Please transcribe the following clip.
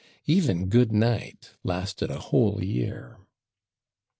Even "good /night/" lasted a whole year.